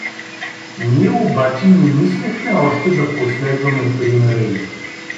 Ние обаче не мислехме още да последваме примера им.